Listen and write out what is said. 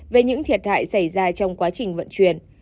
về những thiệt hại xảy ra trong quá trình vận chuyển